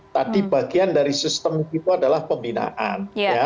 tadi bagian dari sistem itu adalah pembinaan